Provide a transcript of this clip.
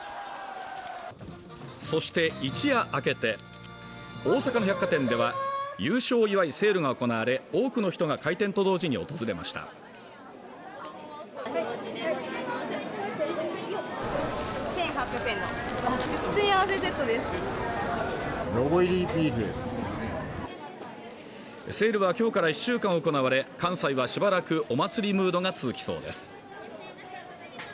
そして一夜明けて大阪の百貨店では優勝祝いセールが行われ多くの人が開店と同時に訪れましたセールはきょうから１週間行われ関西はしばらくお祭りムードが続きそうです